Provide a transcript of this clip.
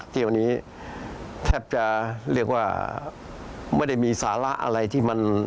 ที่วันนี้แทบจะเรียกว่าไม่ได้มีสาระอะไรที่มัน